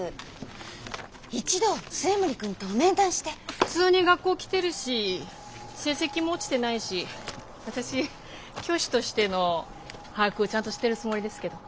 普通に学校来てるし成績も落ちてないし私教師としての把握をちゃんとしてるつもりですけど。